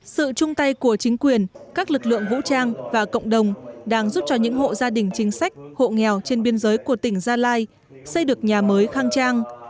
sự chung tay của chính quyền các lực lượng vũ trang và cộng đồng đang giúp cho những hộ gia đình chính sách hộ nghèo trên biên giới của tỉnh gia lai xây được nhà mới khang trang